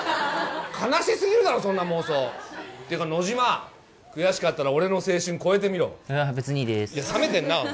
悲しすぎるだろそんな妄想ていうか野島悔しかったら俺の青春越えてみろ別にいいでーす冷めてんな